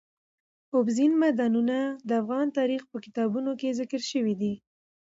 اوبزین معدنونه د افغان تاریخ په کتابونو کې ذکر شوی دي.